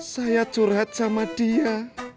saya curhat sama dia